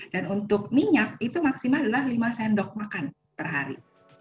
dan untuk minyak itu maksimal adalah lima sendok makan perhari